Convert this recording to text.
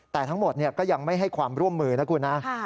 แต่ทั้งหมดก็ยังไม่ให้ความร่วมมือนะคุณนะ